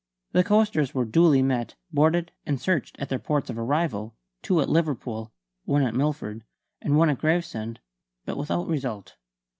The coasters were duly met, boarded, and searched at their ports of arrival two at Liverpool, one at Milford, and one at Gravesend but without result.